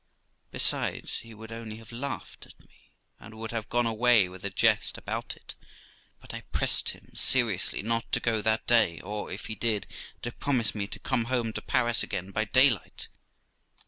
Besides, he would only have laughed at me, and would have gone away with a jest about it; but I pressed him seriously not to go that day, or, if he did, to promise me to come home to Paris again by daylight.